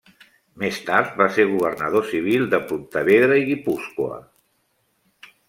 Més tard va ser governador civil de Pontevedra i Guipúscoa.